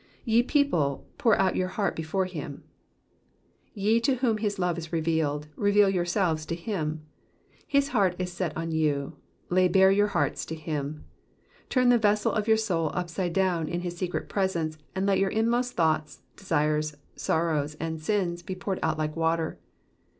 ^^Te people, pour out your heart before him.'''* Ye to whom his love is revealed, reveal yourselves to him. His heart is set on you, lay bare your hearts to him. Turn the vessel of your soul upside down in his secret presence, and let your inmost thoughts, desires, sorrows, and sins be poured out like water.